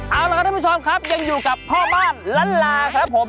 เอาละครับท่านผู้ชมครับยังอยู่กับพ่อบ้านล้านลาครับผม